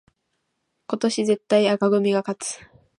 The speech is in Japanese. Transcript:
今年絶対紅組が勝つ